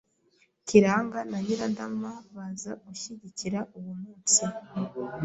Kiranga na Nyirandama baza gushyikirana uwo musni